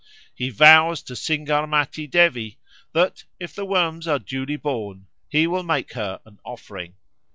He vows to Singarmati Devi that, if the worms are duly born, he will make her an offering.